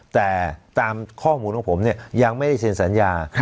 แต่ตามข้อมูลของผมเนี่ยยังไม่ได้เซ็นสัญญา